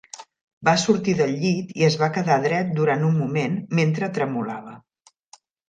Va sortir del llit i es va quedar dret durant un moment mentre tremolava.